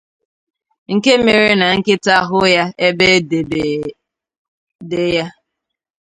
nke mere na nkịta hụ ya ebe e debede ya